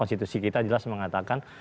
konstitusi kita jelas mengatakan